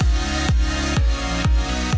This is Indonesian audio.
tahan spend enermu satu